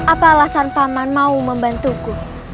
apa alasan paman mau membantuku